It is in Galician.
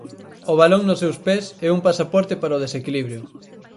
O balón nos seus pés é un pasaporte para o desequilibrio.